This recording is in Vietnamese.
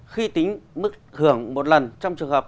khi tính mức hưởng một lần trong trường hợp